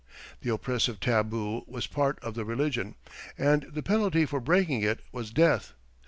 The oppressive tabu was part of the religion, and the penalty for breaking it was death.